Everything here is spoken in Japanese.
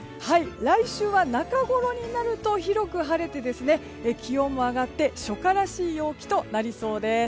来週は中ごろになると広く晴れて気温も上がって初夏らしい陽気となりそうです。